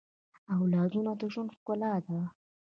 اولادونه د ژوند ښکلا ده